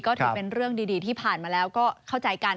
ก็ถือเป็นเรื่องดีที่ผ่านมาแล้วก็เข้าใจกัน